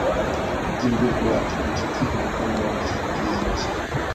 Jimbo uko la Atlantiki na upande wa mashariki ya nchi.